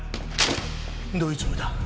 どういうつもりだ。